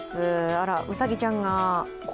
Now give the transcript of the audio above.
あら、うさぎちゃんが。